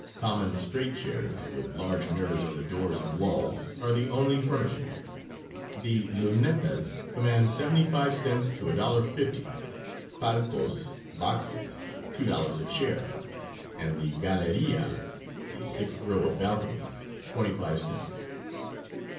Common, straight chairs, with large mirrors on the door and walls, are the only furnishment. The "Lunetas" command seventy five cents to $1.50; Palcos (boxes) $2 a chair, and the Galeria (the sixth row of balconies) twenty five cents.